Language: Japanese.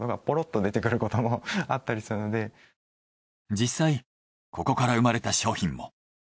実際ここから生まれた商品も。